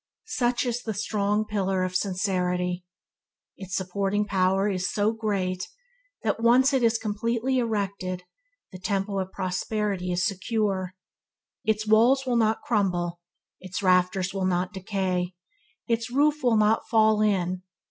Such is the strong pillar of sincerity. It supporting power is to great that, one it is completely erected, the Temple of Prosperity is secure. Its walls will not crumble; its rafters will not decay; its roof will not fall in.